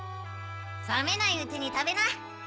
さめないうちにたべな！